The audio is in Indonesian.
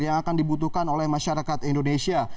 yang akan dibutuhkan oleh masyarakat indonesia